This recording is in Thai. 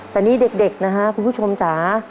แต่นี่เด็กนะฮะคุณผู้ชมจ๋า